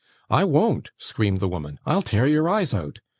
'I won't!' screamed the woman. 'I'll tear your eyes out!